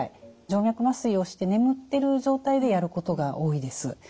静脈麻酔をして眠ってる状態でやることが多いです。